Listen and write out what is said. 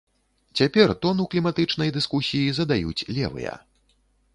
Цяпер тон у кліматычнай дыскусіі задаюць левыя.